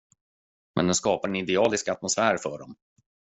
Men den skapar en idealisk atmosfär för dem.